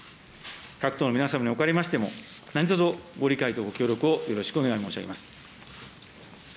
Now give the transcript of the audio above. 各党の皆様におかれましても、何とぞご理解とご協力をよろしくお願い申し上げます。